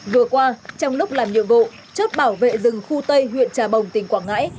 vừa qua trong lúc làm nhiệm vụ chốt bảo vệ rừng khu tây huyện trà bồng tỉnh quảng ngãi